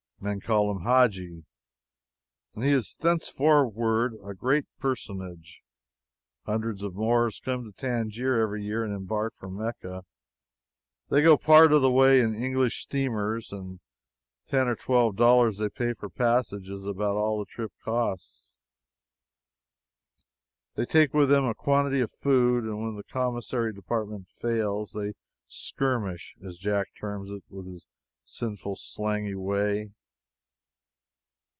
Men call him Hadji, and he is thenceforward a great personage. Hundreds of Moors come to Tangier every year and embark for Mecca. They go part of the way in English steamers, and the ten or twelve dollars they pay for passage is about all the trip costs. They take with them a quantity of food, and when the commissary department fails they "skirmish," as Jack terms it in his sinful, slangy way.